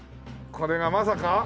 これがまさか。